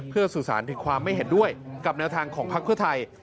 เพื่อสุสานผิดความไม่เห็นด้วยกับแนวทางของพักพฤทัย